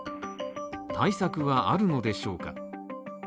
対策はあるのでしょうか？